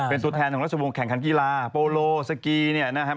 เป็นตัวแทนของราชวงศ์แข่งขันกีฬาโปโลสกีเนี่ยนะครับ